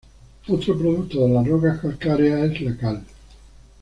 Otro producto de las rocas calcáreas es la cal.